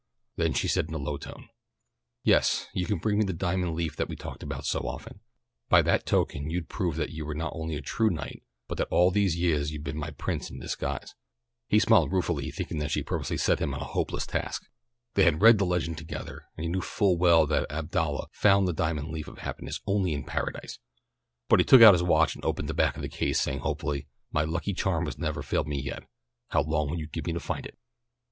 Then she said in a low tone: "Yes, you can bring me the diamond leaf that we've talked about so often. By that token you'd prove that you were not only a true knight, but that all these yeahs you've been my prince in disguise." He smiled ruefully, thinking she had purposely set him a hopeless task. They had read the legend together, and he knew full well that Abdallah found the diamond leaf of happiness only in Paradise, but he took out his watch and opened the back of the case, saying hopefully, "My lucky charm has never failed me yet, how long will you give me to find it?"